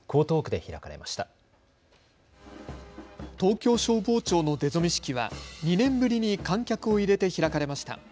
東京消防庁の出初め式は２年ぶりに観客を入れて開かれました。